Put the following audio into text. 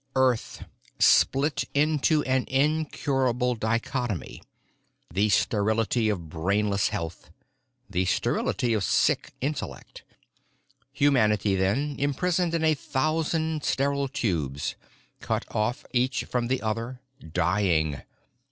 "Earth. Split into an incurable dichotomy—the sterility of brainless health, the sterility of sick intellect. "Humanity, then, imprisoned in a thousand sterile tubes, cut off each from the other, dying.